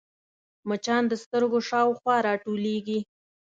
مچان د سترګو شاوخوا راټولېږي